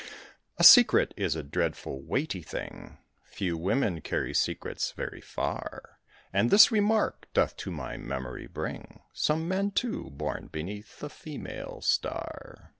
A secret is a dreadful weighty thing: Few women carry secrets very far; And this remark doth to my memory bring Some men, too, born beneath the female star.